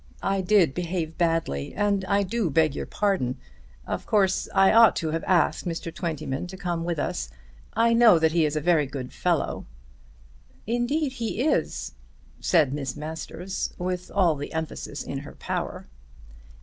I did behave badly, and I do beg your pardon. Of course I ought to have asked Mr. Twentyman to come with us. I know that he is a very good fellow." "Indeed he is," said Mary Masters, with all the emphasis in her power.